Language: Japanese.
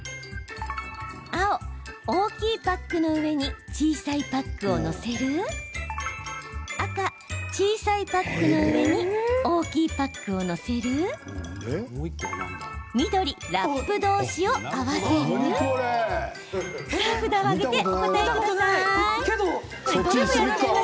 青・大きいパックの上に小さいパックを載せる赤・小さいパックの上に大きいパックを載せる緑・ラップ同士を合わせるさあ、札を上げてお答えください。